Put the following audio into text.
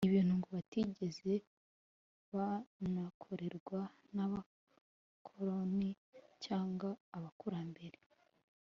ibintu ngo batigeze banakorerwa n’abakoloni cyangwa abakurambere